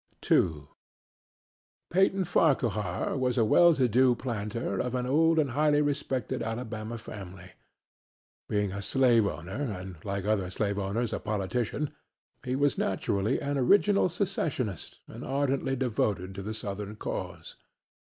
II Peyton Farquhar was a well to do planter, of an old and highly respected Alabama family. Being a slave owner and like other slave owners a politician he was naturally an original secessionist and ardently devoted to the Southern cause.